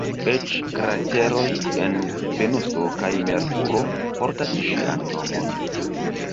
Eĉ krateroj en Venuso kaj Merkuro portas ŝian nomon.